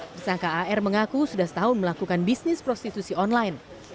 tersangka ar mengaku sudah setahun melakukan bisnis prostitusi online